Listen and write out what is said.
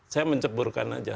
saya mencaburkan aja